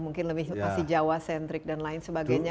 mungkin lebih masih jawa sentrik dan lain sebagainya